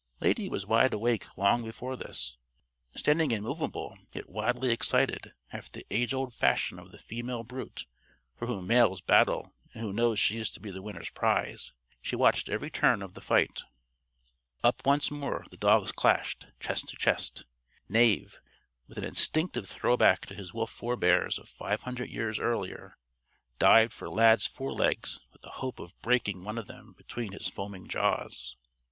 Lady was wide awake long before this. Standing immovable, yet wildly excited after the age old fashion of the female brute for whom males battle and who knows she is to be the winner's prize she watched every turn of the fight. Up once more, the dogs clashed, chest to chest. Knave, with an instinctive throwback to his wolf forebears of five hundred years earlier, dived for Lad's forelegs with the hope of breaking one of them between his foaming jaws.